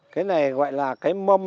cái này gọi là cái mâm